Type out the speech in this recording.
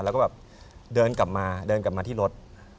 แล้วก็แบบเดินกลับมาที่รถ